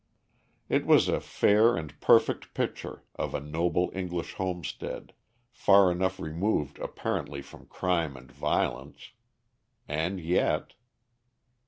It was a fair and perfect picture of a noble English homestead, far enough removed apparently from crime and violence. And yet!